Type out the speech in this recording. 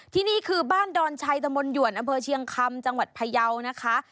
ที่นี่คือบ้านดอนชัยตมหยวนอเชียงคำจังหวัดพะเยาว์นะคะ